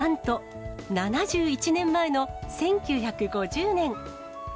なんと、７１年前の１９５０年。